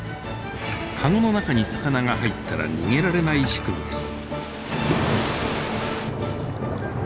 カゴの中に魚が入ったら逃げられない仕組みです。